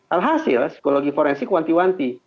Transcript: alhasil psikologi forensik wanti wanti